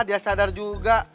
dia sadar juga